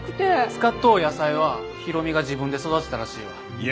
使っとう野菜は大海が自分で育てたらしいわ。